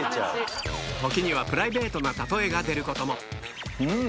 時にはプライベートな例えが出ることもうん！